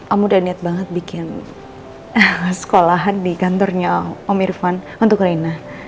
aku udah niat banget bikin sekolahan di kantornya om irfan untuk reina